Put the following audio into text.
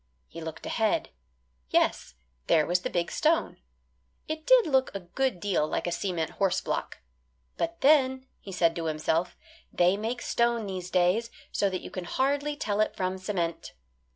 He looked ahead. Yes, there was the big stone. It did look a good deal like a cement horse block. "But then," he said to himself, "they make stone these days so that you can hardly tell it from cement."